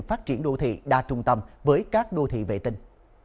phát triển đô thị đa trung tâm với các đô thị vệ tinh